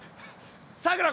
さくら